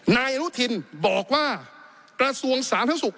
นายอนุทินบอกว่ากระทรวงสาธารณสุข